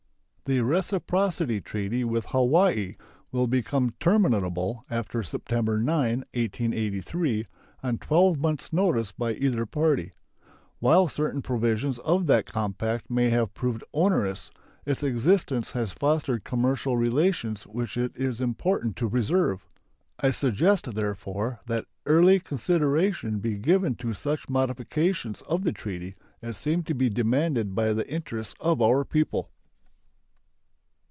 The reciprocity treaty with Hawaii will become terminable after September 9, 1883, on twelve months' notice by either party. While certain provisions of that compact may have proved onerous, its existence has fostered commercial relations which it is important to preserve. I suggest, therefore, that early consideration be given to such modifications of the treaty as seem to be demanded by the interests of our people.